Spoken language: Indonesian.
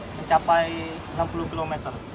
mencapai enam puluh km